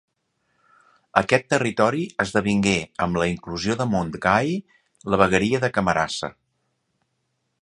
Aquest territori esdevingué, amb la inclusió de Montgai, la vegueria de Camarasa.